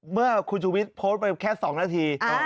เมื่อคุณชุวิตโพสต์ไปแค่๒นาที